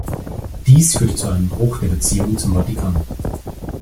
Dies führte zu einem Bruch der Beziehung zum Vatikan.